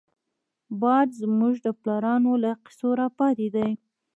باد زمونږ د پلارانو له کيسو راپاتې دی